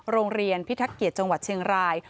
โรงเรียนพิทักเกียจังหวัดเชียงราย